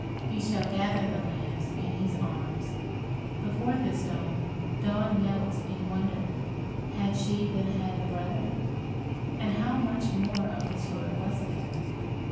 He shall gather the lambs in His arms. Before this stone Dawn knelt in wonder. Had she, then, had a brother? And how much more of the story was there?